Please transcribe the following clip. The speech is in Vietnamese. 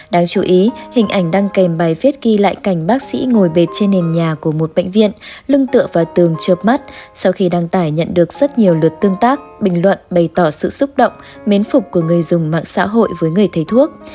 đáng chú ý hình ảnh đăng kèm bài viết ghi lại cảnh bác sĩ ngồi bệt trên nền nhà của một bệnh viện lưng tựa vào tường trượt mắt sau khi đăng tải nhận được rất nhiều lượt tương tác bình luận bày tỏ sự xúc động mến phục của người dùng mạng xã hội với người thầy thuốc